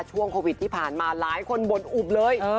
ช่วงโควิดที่ผ่านมาหลายคนบ่นอุบเลย